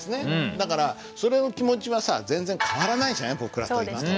だからそれの気持ちはさ全然変わらないじゃない僕らと今と。